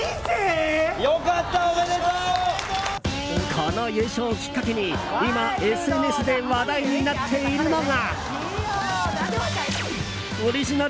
この優勝をきっかけに、今ＳＮＳで話題になっているのが。